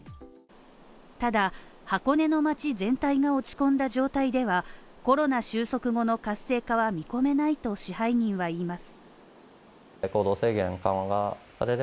ただ、箱根の町全体が落ち込んだ状態ではコロナ収束後の活性化は見込めないと支配人はいいます。